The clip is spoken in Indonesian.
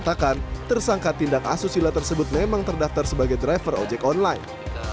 mengatakan tersangka tindak asusila tersebut memang terdaftar sebagai driver ojek online